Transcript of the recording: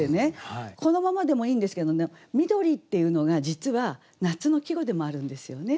このままでもいいんですけどね「緑」っていうのが実は夏の季語でもあるんですよね。